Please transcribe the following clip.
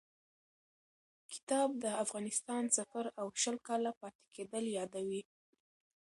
کتاب د افغانستان سفر او شل کاله پاتې کېدل یادوي.